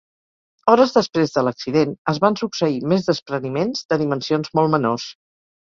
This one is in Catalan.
Hores després de l’accident, es van succeir més despreniments, de dimensions molt menors.